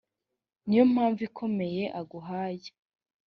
ni yo mpano ikomeye aguhaye